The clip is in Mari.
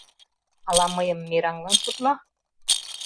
— Ала мыйым мераҥлан шотла?..